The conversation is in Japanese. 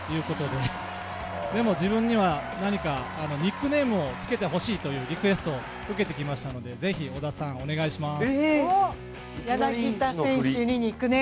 でも、自分には何かニックネームをつけてほしいというリクエストを受けてきましたのでぜひ織田さん、お願いします。